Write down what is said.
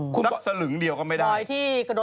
คุณสลึงเดียวก็ไม่ได้